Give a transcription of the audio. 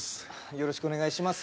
よろしくお願いします